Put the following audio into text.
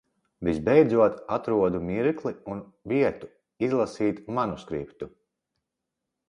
Visbeidzot atrodu mirkli un vietu izlasīt manuskriptu.